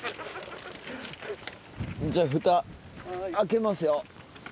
じゃあフタ開けますよ。